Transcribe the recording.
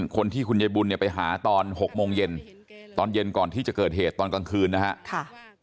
คุณยายบุญเนี่ยไปหาตอน๖โมงเย็นตอนเย็นก่อนที่จะเกิดเหตุตอนกลางคืนนะครับ